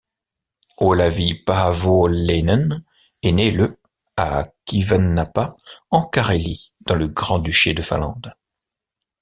Olavi Paavolainen est né le à Kivennapa en Carélie dans le Grand-duché de Finlande.